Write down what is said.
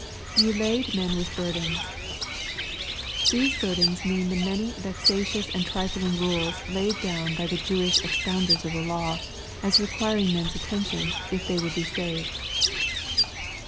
[Ye lade men with burdens.] These burdens mean the many vexatious and trifling rules laid down by the Jewish expounders of the law, as requiring men's attention, if they would be saved.